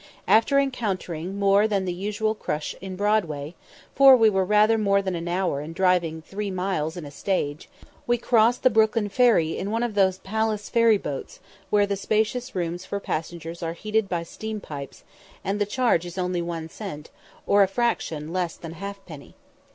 After encountering more than the usual crush in Broadway, for we were rather more than an hour in driving three miles in a stage, we crossed the Brooklyn Ferry in one of those palace ferry boats, where the spacious rooms for passengers are heated by steam pipes, and the charge is only one cent, or a fraction less than a halfpenny.